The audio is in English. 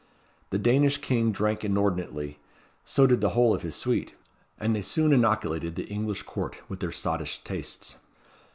The Danish king drank inordinately; so did the whole of his suite: and they soon inoculated the English Court with their sottish tastes.